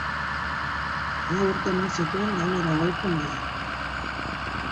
Lau urte eman zituen gainera goiko mailan.